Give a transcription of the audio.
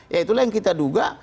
yaitulah yang kita duga